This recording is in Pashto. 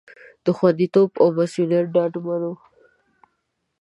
خوندیتوب او مصئونیت ډاډمنول